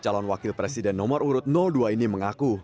calon wakil presiden nomor urut dua ini mengaku